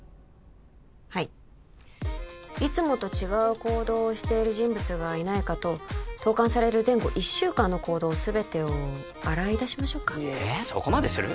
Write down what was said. はいいつもと違う行動をしている人物がいないか等投かんされる前後１週間の行動全てを洗い出しましょうかえっそこまでする？